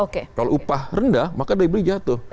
kalau upah rendah maka daya beli jatuh